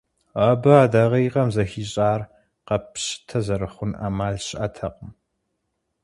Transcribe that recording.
Абы а дакъикъэм зэхищӏар, къэппщытэ зэрыхъун ӏэмал щыӏэтэкъым.